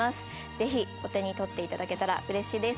ぜひお手にとっていただけたら嬉しいです